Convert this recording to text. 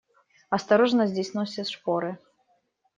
Осторожно, здесь носят шпоры.